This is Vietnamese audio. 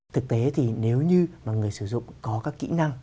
thực tế thì nếu như mà người sử dụng có các kỹ năng